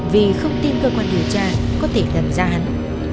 vì không tin cơ quan điều tra có thể tham gia hằng